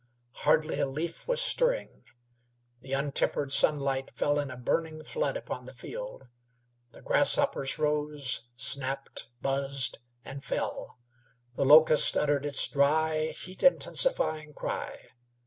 Hardly a leaf was stirring; the untempered sunlight fell in a burning flood upon the field; the grasshoppers rose, snapped, buzzed, and fell; the locust uttered its dry, heat intensifying cry.